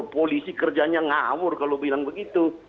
polisi kerjanya ngawur kalau bilang begitu